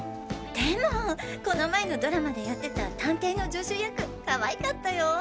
でもこの前のドラマでやってた探偵の助手役かわいかったよ。